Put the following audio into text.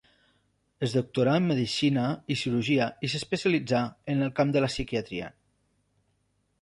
Es doctorà en medicina i cirurgia i s'especialitzà en el camp de la psiquiatria.